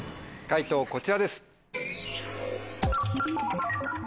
解答こちらです。